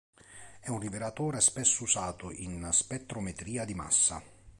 È un rivelatore spesso usato in spettrometria di massa.